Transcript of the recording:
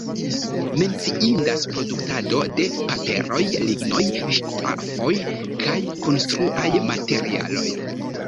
Menciindas produktado de paperoj, lignoj, ŝtofoj kaj konstruaj materialoj.